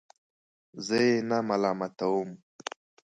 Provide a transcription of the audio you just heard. زه یې نه ملامتوم.